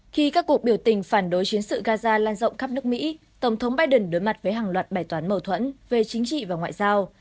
khi các cuộc biểu tình phản đối chiến sự gaza lan rộng khắp nước mỹ tổng thống biden đối mặt với hàng loạt bài toán mâu thuẫn về chính trị và ngoại giao